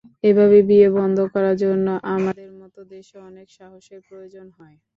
এভাবে বিয়ে বন্ধ করার জন্য আমাদের মতো দেশে অনেক সাহসের প্রয়োজন হয়।